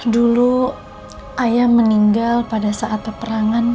dulu ayah meninggal pada saat peperangan